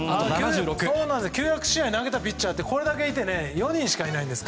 ９００試合投げたピッチャーはこれだけいて過去４人しかいないんです。